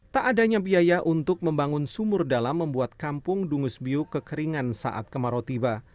tak adanya biaya untuk membangun sumur dalam membuat kampung dungus biu kekeringan saat kemarau tiba